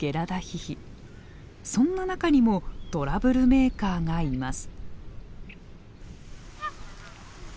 そんな中にもトラブルメーカーがいます。